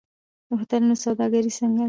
د هوټلونو سوداګري څنګه ده؟